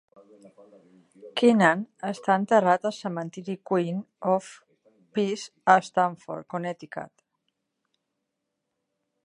Keenan està enterrat al cementiri Queen of Peace a Stamford, Connecticut.